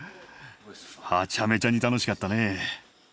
はちゃめちゃに楽しかったね。